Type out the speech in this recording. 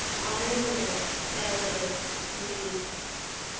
"Honour widows that are widows indeed.